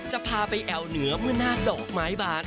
จะพาไปแอวเหนือเมื่อหน้าดอกไม้บาน